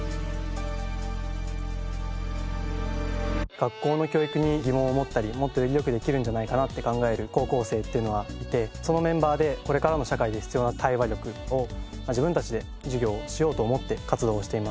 学校の教育に疑問を持ったりもっとより良くできるんじゃないかなって考える高校生っていうのがいてそのメンバーでこれからの社会で必要な対話力を自分たちで授業しようと思って活動をしています。